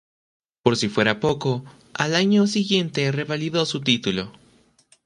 Por si fuera poco, al año siguiente revalidó su título.